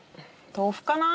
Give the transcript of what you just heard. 豆腐かな。